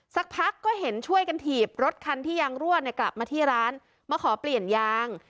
สักพักก็เห็นช่วยกันถีบรถคันที่ยางรั่วเนี่ยกลับมาที่ร้านมาขอเปลี่ยนยาง